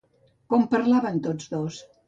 Com parlaven tots dos?